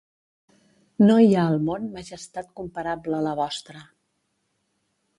No hi ha al món majestat comparable a la vostra.